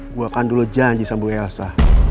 gue akan dulu janji sama bu elsa